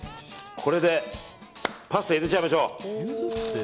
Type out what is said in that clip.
これでパスタゆでちゃいましょう。